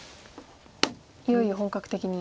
いよいよ本格的に。